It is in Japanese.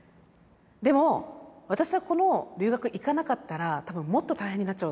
でも私はこの留学行かなかったら多分もっと大変になっちゃうだろうなと。